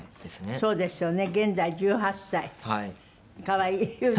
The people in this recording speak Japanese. そうですね。